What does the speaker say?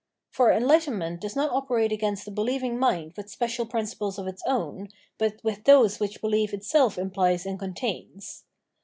For enhghtenment does not operate against the beheving mind with special principles of its own, but with those which behef itself imphes and contains.